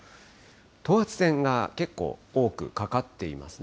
等圧線が結構多くかかっていますね。